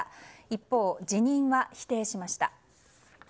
一方、辞任は否定しました。